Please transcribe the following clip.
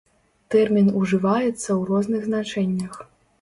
Тэрмін ужываецца ў розных значэннях.